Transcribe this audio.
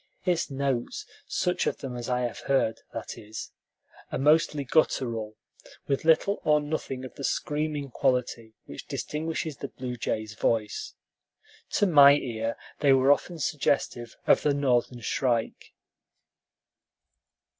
Its notes such of them as I heard, that is are mostly guttural, with little or nothing of the screaming quality which distinguishes the blue jay's voice. To my ear they were often suggestive of the Northern shrike.